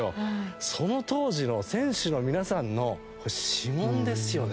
その当時の選手の皆さんのこれ指紋ですよね。